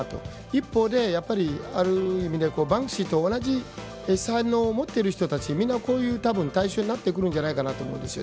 一方である意味バンクシーと同じ才能を持っている人たちみんな、こういう対象になってくるんだと思います。